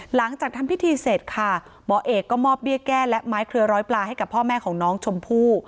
หลังจากทำพิธีเสร็จค่ะหมอเอกก็มอบเบี้ยแก้และไม้เครือร้อยปลาให้กับพ่อแม่ของน้องชมพู่